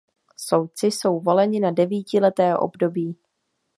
Soudci jsou voleni na devítileté období.